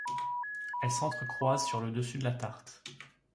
Elles s'entrecroisent sur le dessus de la tarte.